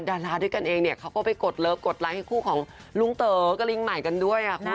ดาราด้วยกันเองเนี่ยเขาก็ไปกดเลิฟกดไลค์ให้คู่ของลุงเต๋อกับลิงใหม่กันด้วย